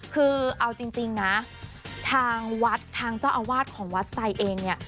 คือเอาจริงนะทางวัดทางเจ้าอาวาสของวัดไซค์เองเนี่ย